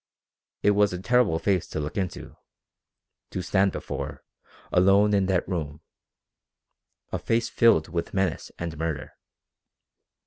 It was a terrible face to look into to stand before, alone in that room a face filled with menace and murder.